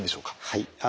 はい。